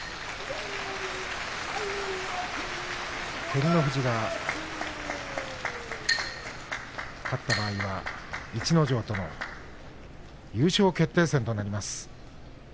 照ノ富士が勝った場合は逸ノ城との優勝決定戦となります。